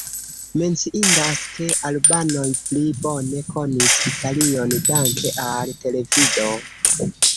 Menciindas, ke albanoj pli bone konis Italion danke al televido.